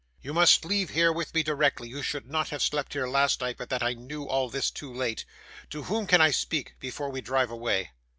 You must leave here with me directly; you should not have slept here last night, but that I knew all this too late. To whom can I speak, before we drive away?